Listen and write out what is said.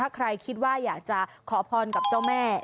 ใครคิดว่าอยากจะขอพรกับเจ้าแม่